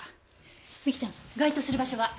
美貴ちゃん該当する場所は？